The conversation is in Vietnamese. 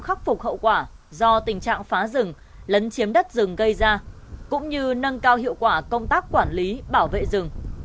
khắc phục hậu quả do tình trạng phá rừng lấn chiếm đất rừng gây ra cũng như nâng cao hiệu quả công tác quản lý bảo vệ rừng